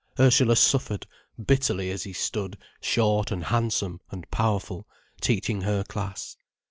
Ursula suffered, bitterly as he stood, short and handsome and powerful, teaching her class.